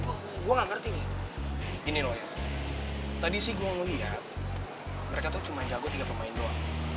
kita keganjurin yuk